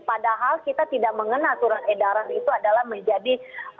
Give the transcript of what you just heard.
padahal kita tidak mengenal surat edaran itu adalah menjadi